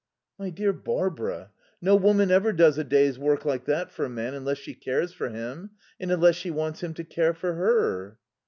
"My dear Barbara, no woman ever does a day's work like that for a man unless she cares for him. And unless she wants him to care for her."